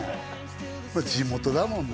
まあ地元だもんね